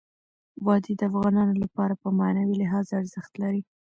وادي د افغانانو لپاره په معنوي لحاظ ارزښت لري.